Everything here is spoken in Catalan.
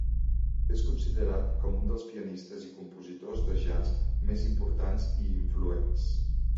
És considerat com un dels pianistes i compositors de jazz més importants i influents.